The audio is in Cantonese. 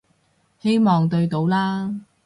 希望對到啦